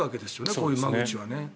こういう間口はね。